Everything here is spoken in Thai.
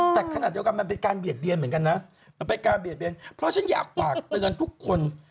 แต่ขณะเดี๋ยวกลับมันเป็นการเบียดเวียนเหมือนกันนะเพราะฉันอยากฝากและเตือนทุกคน